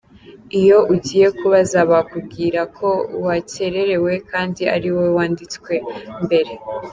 Iyo ugiye kubaza bakubwira ko wakererewe kandi ari wowe wanditswe mbere.